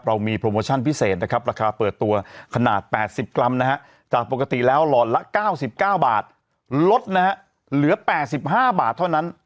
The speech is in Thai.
เรามีโปรโมชั่นพิเศษนะครับราคาเปิดตัวขนาด๘๐กรัมนะฮะจากปกติแล้วหล่อนละ๙๙บาทลดนะฮะเหลือ๘๕บาทเท่านั้น